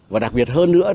và đặc biệt hơn nữa